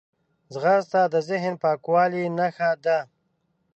ځغاسته د ذهن پاکوالي نښه ده